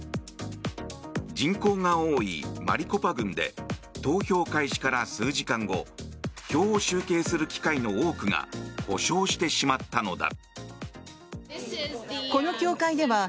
人口が多いマリコパ郡で投票開始から数時間後票を集計する機械の多くが故障してしまったのだ。